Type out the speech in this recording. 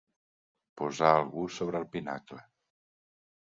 Posar algú sobre el pinacle.